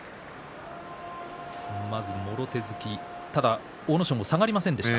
まず、もろ手突き阿武咲も下がりませんでした。